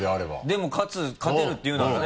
でも勝てるっていうならね。